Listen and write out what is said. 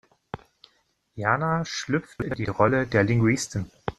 Jana schlüpft in die Rolle der Linguistin.